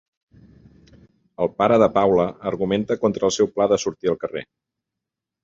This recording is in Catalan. El pare de Paula argumenta contra el seu pla de sortir al carrer.